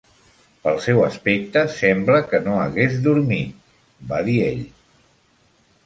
"Pel seu aspecte sembla que no hagués dormit", va dir ell.